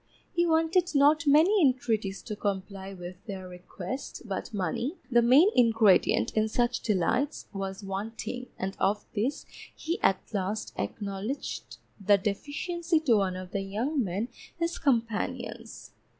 He wanted not many intreaties to comply with their request, but money, the main ingredient in such delights, was wanting, and of this he at last acknowledged the deficiency to one of the young men his companions.